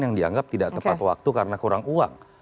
yang dianggap tidak tepat waktu karena kurang uang